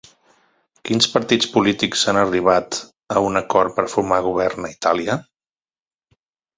Quins partits polítics han arribat a un acord per formar govern a Itàlia?